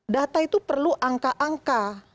data itu perlu angka angka